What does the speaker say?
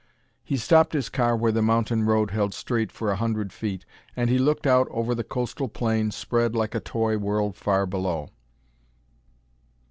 He stopped his car where the mountain road held straight for a hundred feet, and he looked out over the coastal plain spread like a toy world far below.